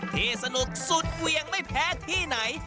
ที่สนุกสุดเวียงไม่แพ้ที่ไหน